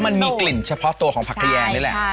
มันมีกลิ่นเฉพาะตัวของผักแยงนี่แหละ